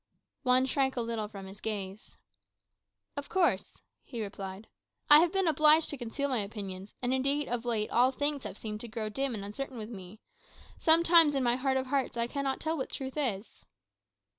Juan shrank a little from his gaze. "Of course," he replied, "I have been obliged to conceal my opinions; and, indeed, of late all things have seemed to grow dim and uncertain with me. Sometimes, in my heart of hearts, I cannot tell what truth is."